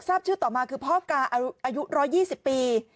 ทราบชื่อต่อมาคือพ่อกาอายุ๑๒๐ปี